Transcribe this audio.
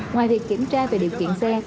ngoài việc kiểm tra về điều chuyển xe